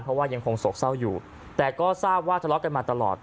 เพราะว่ายังคงโศกเศร้าอยู่แต่ก็ทราบว่าทะเลาะกันมาตลอด